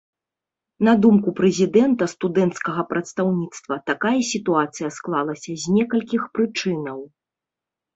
На думку прэзідэнта студэнцкага прадстаўніцтва, такая сітуацыя склалася з некалькіх прычынаў.